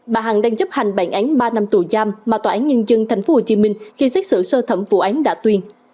bà hằng đang chấp hành bản án ba năm tù giam mà tòa án nhân dân tp hcm khi xét xử sơ thẩm vụ án đã tuyên